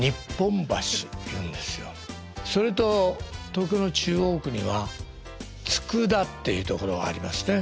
それと東京の中央区には佃っていうところありますね。